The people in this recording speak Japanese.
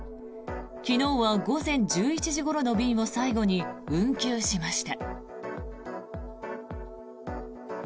昨日は午前１１時ごろの便を最後に運休しました。